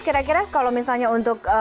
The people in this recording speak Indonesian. kira kira kalau misalnya untuk